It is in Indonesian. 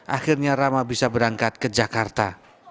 akhirnya rama bisa berangkat ke jakarta